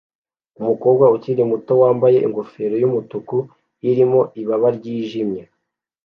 umukobwa ukiri muto wambaye ingofero yumutuku irimo ibaba ryijimye